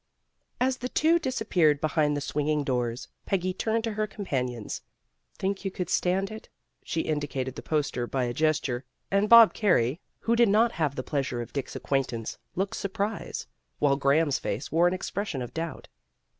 As the two disappeared behind the swing ing doors, Peggy turned to her companions. "Think you could stand it!" She indicated the poster by a gesture, and Bob Carey, who 215 216 PEGGY RAYMOND'S WAY did not have the pleasure of Dick's acquaint ance, looked surprised, while Graham's face wore an expression of doubt.